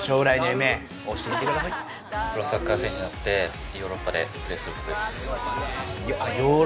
プロサッカー選手になってヨーロッパでプレーすることです。